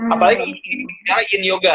apalagi di cara in yoga